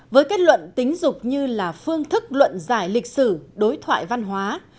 với kết luận tính dục như là phương thức luận giải lịch sử đối thoại văn hóa